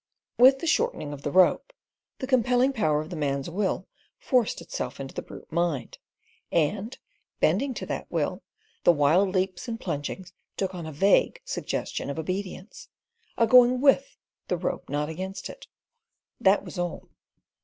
With the shortening of the rope the compelling power of the man's will forced itself into the brute mind, and, bending to that will, the wild leaps and plungings took on a vague suggestion of obedience—a going WITH the rope, not against it; that was all.